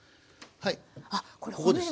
はい。